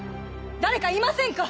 誰かいませんか！